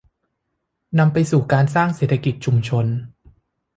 นำไปสู่การสร้างเศรษฐกิจชุมชน